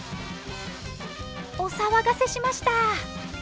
お騒がせしました。